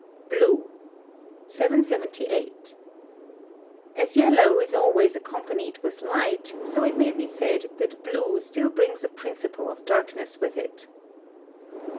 BLUE. 778. As yellow is always accompanied with light, so it may be said that blue still brings a principle of darkness with it.